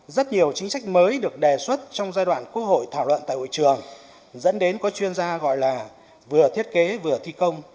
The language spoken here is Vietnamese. rất nhiều chính sách mới được đề xuất trong giai đoạn quốc hội thảo luận tại hội trường dẫn đến có chuyên gia gọi là vừa thiết kế vừa thi công